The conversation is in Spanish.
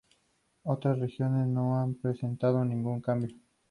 Otras regiones no han presentado ningún cambio.